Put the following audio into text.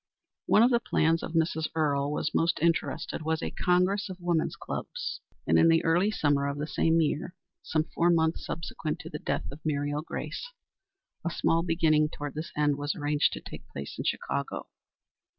One of the plans in which Mrs. Earle was most interested was a Congress of Women's Clubs, and in the early summer of the same year some four months subsequent to the death of Muriel Grace a small beginning toward this end was arranged to take place in Chicago.